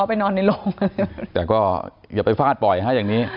ไปนอนในโรงแต่ก็อย่าไปฟาดปล่อยฮะอย่างนี้